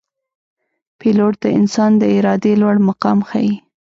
پیلوټ د انسان د ارادې لوړ مقام ښيي.